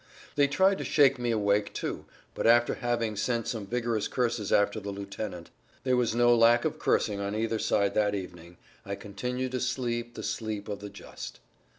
They tried to shake me awake, too, but after having sent some vigorous curses after the lieutenant—there was no lack of cursing on either side that evening—I continued to sleep the sleep of the just.